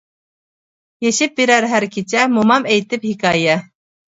يېشىپ بېرەر ھەر كېچە، مومام ئېيتىپ ھېكايە.